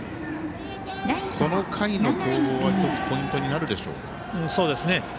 この回の攻防は１つポイントになるでしょうか。